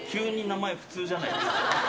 なんか急に名前、普通じゃないですか？